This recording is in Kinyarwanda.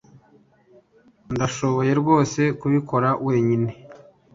Ndashoboye rwose kubikora wenyine.